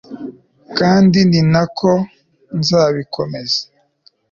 kandi ni na ko nzabikomeza